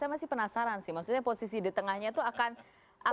saya masih penasaran sih maksudnya posisi di tengahnya itu akan apa